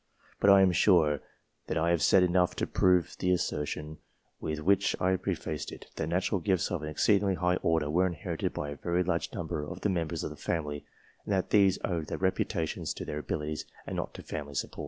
But I am sure I have said enough to prove the assertion with which I prefaced it, that natural gifts of an exceedingly high order were inherited by a very large number of the members of the family, and that these owed their reputations to their abilities, and not to family support.